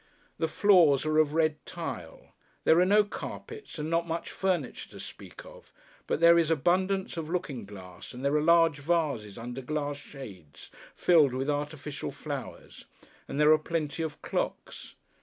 The floors are of red tile. There are no carpets, and not much furniture to speak of; but there is abundance of looking glass, and there are large vases under glass shades, filled with artificial flowers; and there are plenty of clocks.